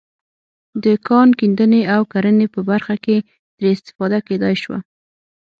د کان کیندنې او کرنې په برخه کې ترې استفاده کېدای شوه.